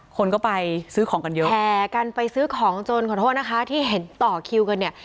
คนก็ไปซื้อของกันเยอะแห่กันไปซื้อของจนขอโทษนะคะที่เห็นต่อคิวกันเนี่ย